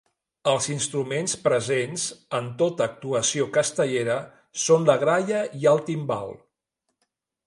Els instruments presents en tota actuació castellera són la gralla i el timbal.